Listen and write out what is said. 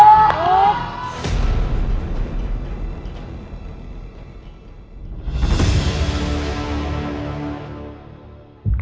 ถูก